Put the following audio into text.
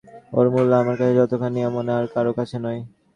ওর মূল্য আমার কাছে যতখানি, এমন আর কারো কাছে নয়।